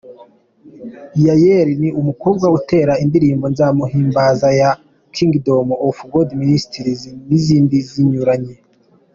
Yayeli ni umukobwa utera indirimbo 'Nzamuhimbaza' ya Kingdom of God Ministries n'izindi zinyuranye.